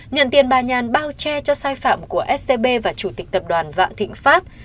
nhận tiền bà nhàn bao che cho sai phạm của scb và chủ tịch tập đoàn vạn thịnh pháp